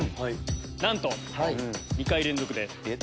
なんと２回連続で。